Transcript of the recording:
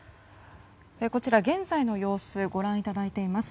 こちら、現在の様子をご覧いただいています。